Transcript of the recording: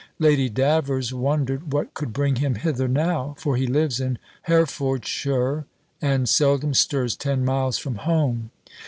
Lady Davers wondered what could bring him hither now: for he lives in Herefordshire, and seldom stirs ten miles from home.